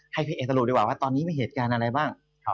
ให้พี่เอกสรุปดีกว่าว่าตอนนี้มีเหตุการณ์อะไรบ้าง